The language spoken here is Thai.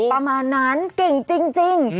ประมาณนั้นเก่งจริง